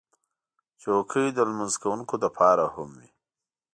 چوکۍ د لمونځ کوونکو لپاره هم وي.